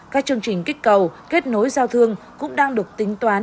các chương trình kích cầu kết nối giao thương cũng đang được tính toán